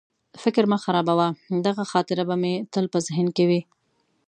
فکر مه خرابوه، دغه خاطره به مې تل په ذهن کې وي.